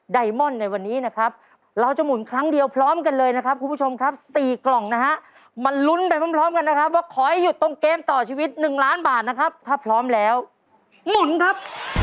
ไมอนด์ในวันนี้นะครับเราจะหมุนครั้งเดียวพร้อมกันเลยนะครับคุณผู้ชมครับ๔กล่องนะฮะมาลุ้นไปพร้อมกันนะครับว่าขอให้หยุดตรงเกมต่อชีวิต๑ล้านบาทนะครับถ้าพร้อมแล้วหมุนครับ